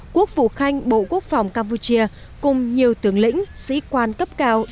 quốc phủ khanh bộ quốc phòng campuchia cùng nhiều tướng lĩnh sĩ quan cấp cao